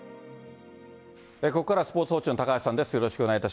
ここからはスポーツ報知の高橋さんです。